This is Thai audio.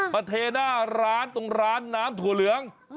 เทหน้าร้านตรงร้านน้ำถั่วเหลือง